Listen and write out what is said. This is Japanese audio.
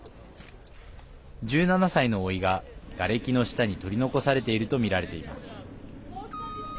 １７歳のおいががれきの下に取り残されているとみられています。